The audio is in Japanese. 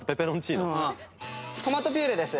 トマトピューレです。